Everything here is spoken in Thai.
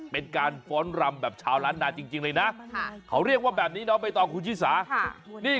เป็นการฟ้อนรำแบบชาวร้านนาจริงเลยนะเขาเรียกว่าแบบนี้นะครับ